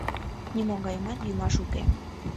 — Нимогайымат йӱмаш уке.